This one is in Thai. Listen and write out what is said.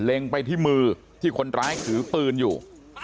ไปที่มือที่คนร้ายถือปืนอยู่